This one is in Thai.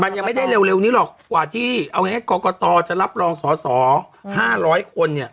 มันยังไม่ได้เร็วนี้หรอกกว่าที่เอาง่ายกรกตจะรับรองสอสอ๕๐๐คนเนี่ย